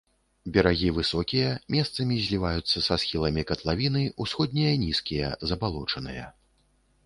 Берагі высокія, месцамі зліваюцца са схіламі катлавіны, усходнія нізкія, забалочаныя.